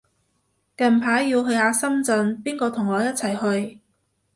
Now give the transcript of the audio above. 近排要去下深圳，邊個同我一齊去